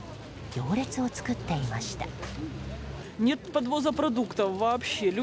行列を作っていました。